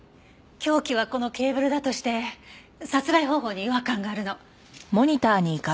凶器はこのケーブルだとして殺害方法に違和感があるの。